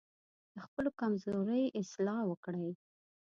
د خپلو کمزورۍ اصلاح وکړئ.